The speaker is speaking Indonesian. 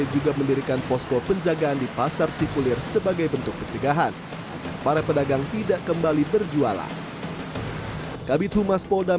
jualan ikan yang lebih berkualitas